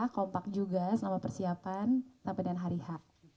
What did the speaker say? kompak juga selama persiapan tanpa dian hari hak